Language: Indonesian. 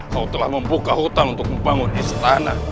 kau telah membuka hutan untuk membangun istana